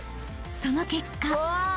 ［その結果